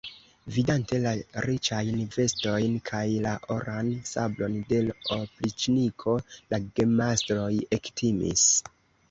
Vidante la riĉajn vestojn kaj la oran sabron de l' opriĉniko, la gemastroj ektimis.